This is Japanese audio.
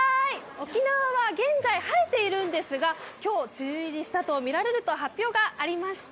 沖縄は現在晴れているんですが、今日梅雨入りしたとみられると発表がありました。